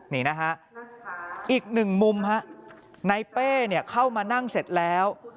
นี่นะฮะอีกหนึ่งมุมฮะในเป้เนี่ยเข้ามานั่งเสร็จแล้ว